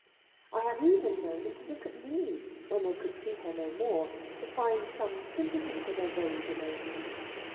I have even known them to look at me (when they could see her no more), to find some sympathy for their vague emotions.